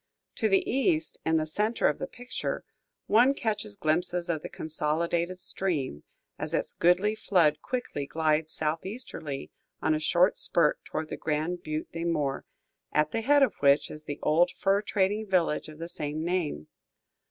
To the east, in the centre of the picture, one catches glimpses of the consolidated stream, as its goodly flood quickly glides southeasterly, on a short spurt toward the Grand Butte des Morts, at the head of which is the old fur trading village of the same name.